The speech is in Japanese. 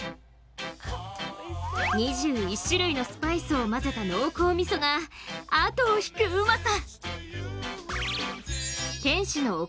２１種類のスパイスを混ぜた濃厚みそがあとを引くうまさ！